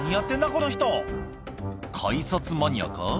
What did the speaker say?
この人改札マニアか？